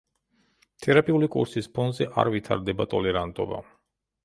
თერაპიული კურსის ფონზე არ ვითარდება ტოლერანტობა.